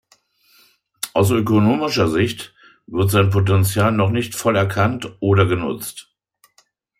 Aus ökonomischer Sicht wird sein Potential noch nicht voll erkannt oder genutzt.